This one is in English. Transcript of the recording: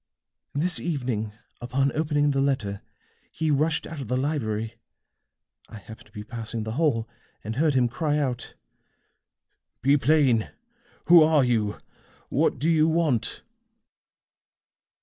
This evening, upon opening the letter, he rushed out of the library. I happened to be passing the hall, and heard him cry out: 'Be plain! Who are you? What do you want?'"